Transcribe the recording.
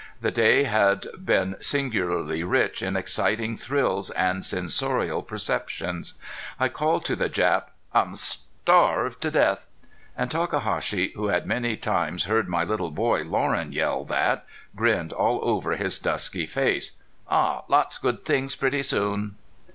The day had been singularly rich in exciting thrills and sensorial perceptions. I called to the Jap: "I'm starv ved to death!" And Takahashi, who had many times heard my little boy Loren yell that, grinned all over his dusky face. "Aw, lots good things pretty soon!"